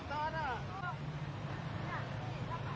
นี่นี่นี่นี่นี่นี่นี่นี่นี่นี่นี่นี่นี่